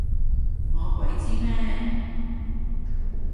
我鬼知咩？